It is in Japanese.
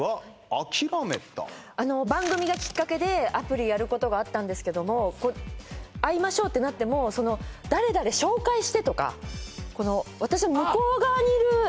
番組がきっかけでアプリやることがあったんですけども会いましょうってなっても誰々紹介してとか私の向こう側にいるあ